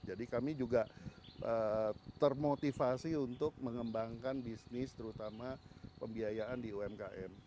jadi kami juga termotivasi untuk mengembangkan bisnis terutama pembiayaan di umkm